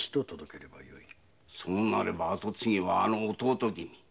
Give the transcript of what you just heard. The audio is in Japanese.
そうなれば跡継ぎはあの弟君。